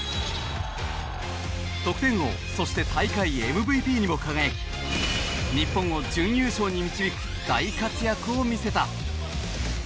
得点王そして大会ＭＶＰにも輝き日本を準優勝に導く大活躍を見せた。